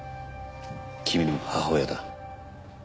君の母親だ。